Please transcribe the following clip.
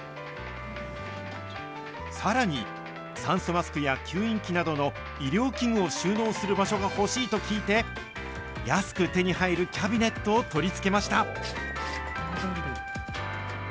さらに、酸素マスクや吸引器などの医療器具を収納する場所が欲しいと聞いて、安く手に入るキャビネットを取り付けました。